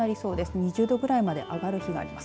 ２０度くらいまで上がる日があります。